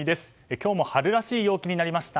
今日も春らしい陽気になりました。